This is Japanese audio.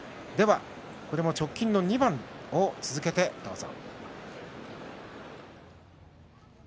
これも直近の２番を続けてどうぞ。